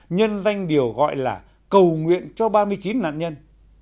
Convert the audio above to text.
nhân danh điều gọi là cầu nguyện cho ba mươi chín nạn nhân